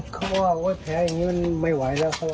เขาว่าแผลอย่างนี้มันไม่ไหวแล้ว